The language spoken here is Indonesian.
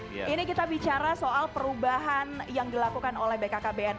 oke ini kita bicara soal perubahan yang dilakukan oleh bkkbn